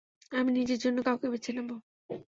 আমি নিজের জন্য কাউকে বেছে নেব।